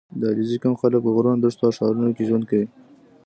• د علیزي قوم خلک په غرونو، دښتو او ښارونو کې ژوند کوي.